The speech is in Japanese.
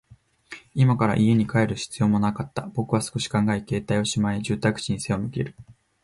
今から家に帰る必要もなかった。僕は少し考え、携帯をしまい、住宅地に背を向ける。